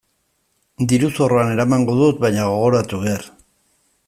Diru-zorroan eramango dut baina gogoratu behar.